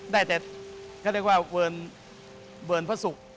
ได้แต่เขาเรียกว่าเบิร์นพระศุกร์